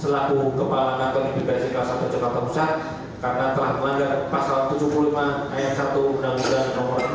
selaku kepala kantor imigrasi kelas satu jakarta pusat